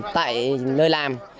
tại nơi làm